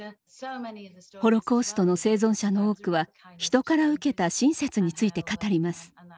ホロコーストの生存者の多くは人から受けた親切について語ります。